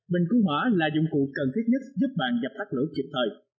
bình cứu hỏa là dụng cụ cần thiết nhất giúp bạn dập tắt lửa kịp thời